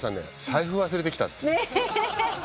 財布忘れてきたって。